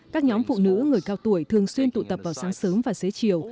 các nhóm phụ nữ người cao tuổi thường xuyên tụ tập vào sáng sớm và xế chiều